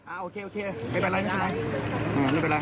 โอเคโอเคไม่เป็นไรไม่เป็นไร